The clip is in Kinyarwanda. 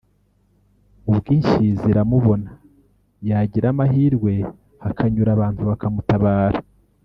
ubwo inshyi ziramubona yagira amahirwe hakanyura abantu bakamutabara